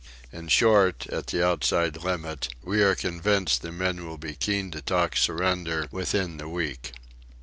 In short, at the outside limit, we are convinced the men will be keen to talk surrender within the week.